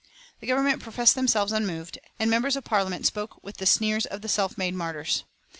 The Government professed themselves unmoved, and members of Parliament spoke with sneers of the "self made martyrs."